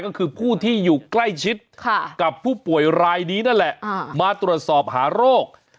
ก็คือผู้ที่อยู่ใกล้ชิดกับผู้ป่วยรายนี้นั่นแหละมาตรวจสอบหาโรค